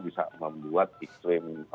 bisa membuat ekstrim